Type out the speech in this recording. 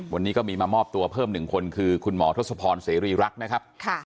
วันนี้ก็มีมามอบตัวเพิ่ม๑คนคือคุณหมอทศพรเสรีรักษ์นะครับ